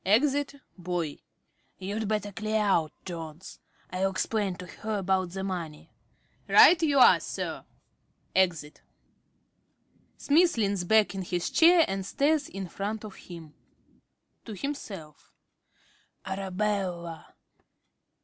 (Exit Boy.) You'd better clear out, Jones. I'll explain to her about the money. ~Smith.~ Right you are, Sir. (Exit.) (Smith leans back in his chair and stares in front of him.) ~Smith~ (to himself). Arabella!